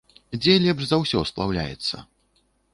Дзе лепш за ўсё сплаўляцца?